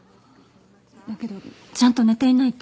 だけどちゃんと寝ていないと。